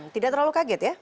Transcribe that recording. tidak terlalu kaget ya